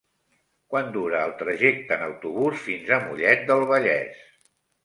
Quant dura el trajecte en autobús fins a Mollet del Vallès?